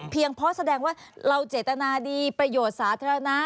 เพราะแสดงว่าเราเจตนาดีประโยชน์สาธารณะ